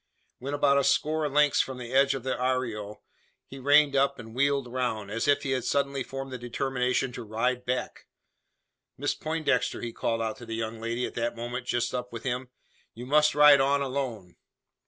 When about a score lengths from the edge of the arroyo, he reined up and wheeled round as if he had suddenly formed the determination to ride back! "Miss Poindexter!" he called out to the young lady, at that moment just up with him. "You must ride on alone."